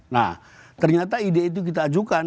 nah ternyata ide itu kita ajukan